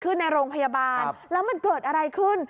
ในโรงพยาบาลแล้วมันเกิดอะไรขึ้น